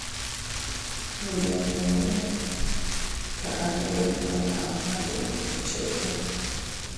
Nmiñune kaʼa nbinnu ama yundus cheʼe.